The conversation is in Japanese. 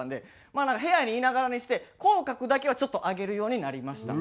まあなんか部屋にいながらにして口角だけはちょっと上げるようになりました。